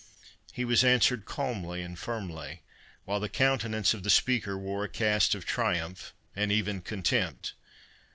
He was answered calmly and firmly, while the countenance of the speaker wore a cast of triumph, and even contempt.